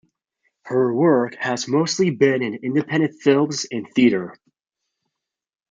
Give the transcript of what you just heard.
Her work has mostly been in independent films and theater.